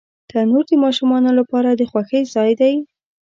تنور د ماشومانو لپاره د خوښۍ ځای دی